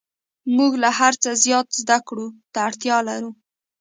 موږ له هر څه زیات زده کړو ته اړتیا لرو